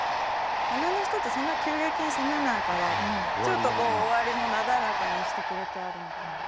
女の人ってそんな急激に冷めないからちょっとこう終わりもなだらかにしてくれてあるのかも。